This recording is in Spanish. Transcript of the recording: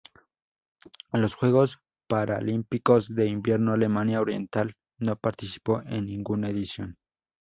En los Juegos Paralímpicos de Invierno Alemania Oriental no participó en ninguna edición.